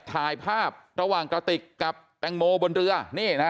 ถ่ายภาพระหว่างกระติกกับแตงโมบนเรือนี่นะ